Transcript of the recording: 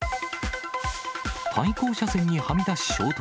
対向車線にはみ出し衝突。